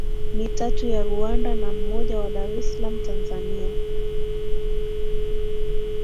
Mitatu ya Rwanda na mmoja wa Dar es salaam Tanzania